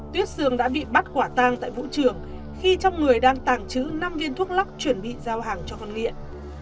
tuyết sương đã bị bắt quả tang tại vũ trường khi trong người đang tàng trữ năm viên thuốc lắc chuẩn bị giao hàng cho con nghiện